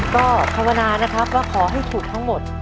ก็ภาวนานะครับว่าขอให้ถูกทั้งหมด